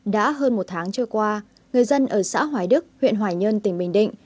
đã hơn một tháng trôi qua người dân ở xã hoài đức huyện hoài nhơn tỉnh bình định